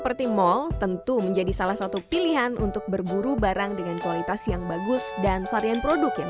berita terkini mengenai pembahasan produk fashion mulai dari baju sepatu tas aksesoris bahkan juga souvenir